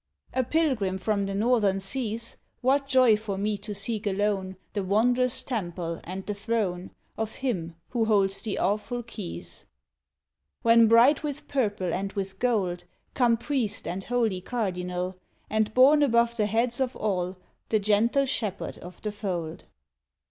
A PILGRIM from the northern seas— What joy for me to seek alone The wondrous temple and the throne Of him who holds the awful keys! When, bright with purple and with gold Come priest and holy cardinal, And borne above the heads of all The gentle Shepherd of the Fold.